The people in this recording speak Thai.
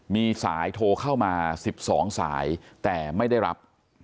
มีสายโทรเข้ามา๑๒สายแต่ไม่ได้รับ